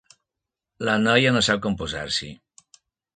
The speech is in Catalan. La noia no sap com posar-s'hi.